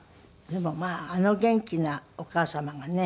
でもまああの元気なお母様がね。